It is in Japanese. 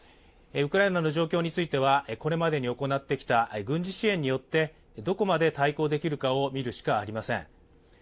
ウクライナの状況についてはこれまでに行ってきた軍事支援によってどこまで対抗できるかを見るしかありません。